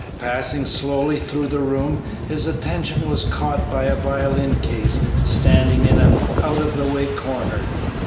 Passing slowly through the room, his attention was caught by a violin case standing in an out of the way corner.